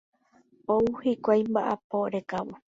Ou hikuái mba'apo rekávo.